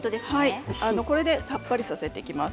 これでさっぱりさせていきます。